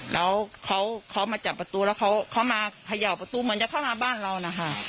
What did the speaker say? แล้วเขามาจับประตูแล้วเขามาเขย่าประตูเหมือนจะเข้ามาบ้านเรานะคะ